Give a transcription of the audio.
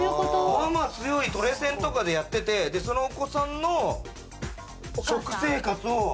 トレセンとかでやってて、そのお子さんの食生活を。